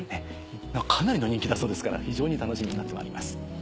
かなりの人気だそうですから非常に楽しみになってまいります。